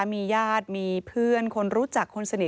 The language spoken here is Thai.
มีญาติมีเพื่อนคนรู้จักคนสนิท